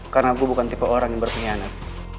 karena gue bukan tipe orang yang bermianat